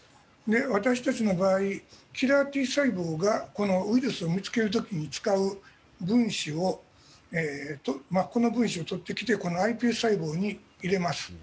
私たちの場合、キラーＴ細胞がこのウイルスを見つける時に使う分子を取ってきてｉＰＳ細胞に入れます。